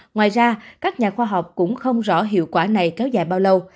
ngoài ra các nhà khoa học cũng không rõ hiệu quả này kéo dài bao lâu